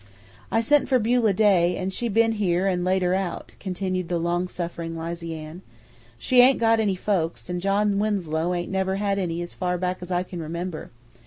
"I sent for Aunt Beulah Day, an' she's be'n here an' laid her out," continued the long suffering Lizy Ann. "She ain't got any folks, an' John Winslow ain't never had any as far back as I can remember.